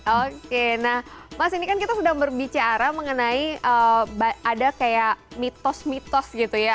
oke nah mas ini kan kita sudah berbicara mengenai ada kayak mitos mitos gitu ya